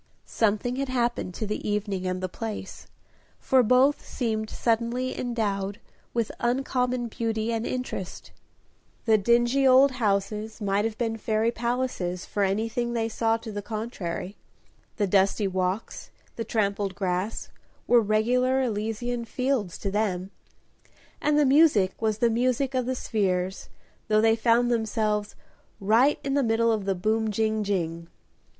Something had happened to the evening and the place, for both seemed suddenly endowed with uncommon beauty and interest. The dingy old houses might have been fairy palaces, for anything they saw to the contrary; the dusty walks, the trampled grass, were regular Elysian fields to them, and the music was the music of the spheres, though they found themselves "Right in the middle of the boom, jing, jing."